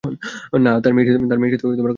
না, তার মেয়ের কারো সাথে সম্পর্ক ছিল।